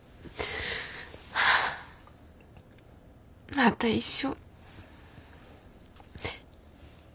また一緒。